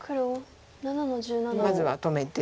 まずは止めて。